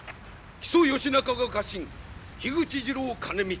木曽義仲が家臣口次郎兼光。